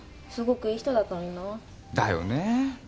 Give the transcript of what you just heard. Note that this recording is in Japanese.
すごくいい人だったのにな。だよねー。